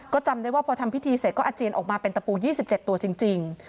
ก็จำได้ว่าพอทำพิธีเสร็จก็อาเจียนออกมาเป็นตะปู๒๗ตัวจริง